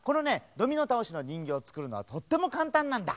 ドミノたおしのにんぎょうをつくるのはとってもかんたんなんだ。